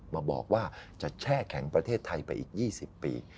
มาบอกว่าจะแช่แข็งประเทศไทยไปอีก๒๐ปี